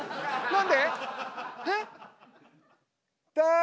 何で？